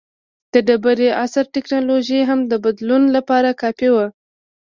د ډبرې عصر ټکنالوژي هم د بدلون لپاره کافي وه.